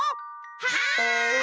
はい！